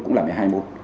cũng là một mươi hai môn